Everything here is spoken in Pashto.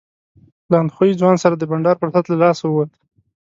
له اندخویي ځوان سره د بنډار فرصت له لاسه ووت.